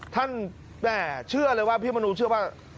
แม่เชื่อเลยว่าพี่มนูเชื่อว่า